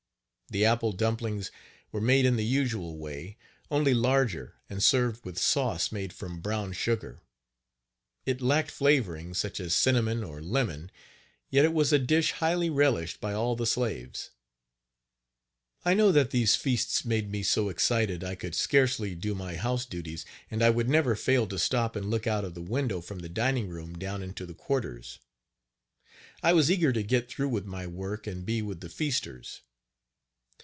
The apple dumplings were made in the usual way, only larger, and served with sauce made from brown sugar. It lacked flavoring, such as cinnamon or lemon, yet it was a dish highly relished by all the slaves. I know that these feasts made me so excited, Page 50 I could scarcely do my house duties, and I would never fail to stop and look out of the window from the dining room down into the quarters. I was eager to get through with my work and be with the feasters.